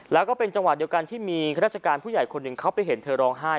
แล้วก็เป็นจังหวะเดียวกันที่มีข้าราชการผู้ใหญ่คนหนึ่งเข้าไปเห็นเธอร้องไห้